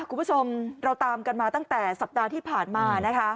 คุณผู้ชมเราตามกันมาตั้งแต่สัปดาห์ที่ผ่านมานะคะ